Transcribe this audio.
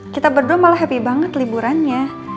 kita berdua malah happy banget liburannya